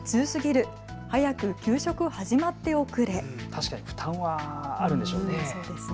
確かに負担はあるんでしょうね。